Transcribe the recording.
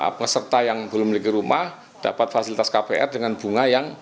peserta yang belum memiliki rumah dapat fasilitas kpr dengan bunga yang